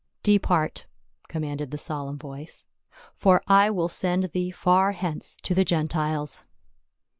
"Depart!" commanded the solemn voice, "for I will send thee far hence to the Gentiles."